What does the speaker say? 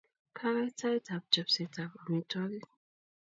Kakoit sait ap chopset ap amitwogik.